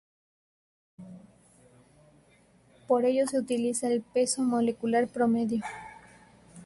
Por ello se utiliza el peso molecular promedio.